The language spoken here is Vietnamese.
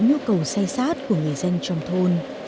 tuy nhiên tất cả các vùng xe sát của người dân trong thôn